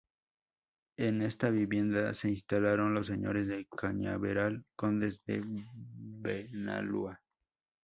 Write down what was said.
En esta vivienda se instalaron los señores de Cañaveral, Condes de Benalúa.